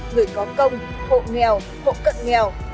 người có công hộ nghèo hộ cận nghèo